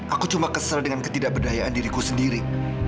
aku cuma kesel dengan ketidakberdayaan diriku sendiri